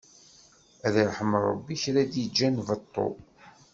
Ad iṛḥem Ṛebbi kra i d-iǧǧan beṭṭu!